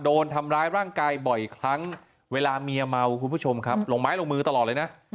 โดนทำร้ายร่างกายบ่อยครั้งเวลาเมียเมาคุณผู้ชมครับลงไม้ลงมือตลอดเลยนะ